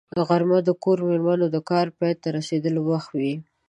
غرمه د کور مېرمنو د کار پای ته رسېدو وخت وي